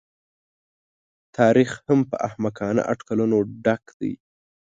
تاریخ هم په احمقانه اټکلونو ډک دی.